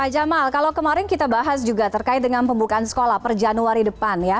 jamal kalau kemarin kita bahas juga terkait dengan pembukaan sekolah per januari depan ya